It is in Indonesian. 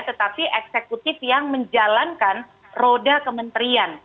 tetapi eksekutif yang menjalankan roda kementerian